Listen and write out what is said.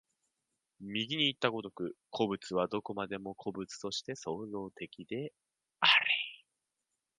右にいった如く、個物はどこまでも個物として創造的であり、